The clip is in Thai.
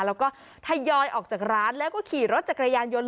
แล้วก็ทยอยออกจากร้านแล้วก็ขี่รถจักรยานยนต์